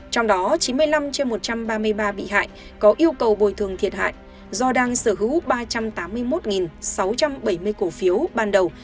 trong đó chín mươi năm trên một trăm ba mươi ba bị hại có yêu cầu bồi thường thiệt hại do đang sở hữu ba trăm tám mươi một sáu trăm bảy mươi cổ phiếu ban đầu